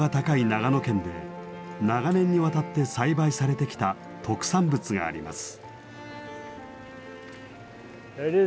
長野県で長年にわたって栽培されてきた特産物があります。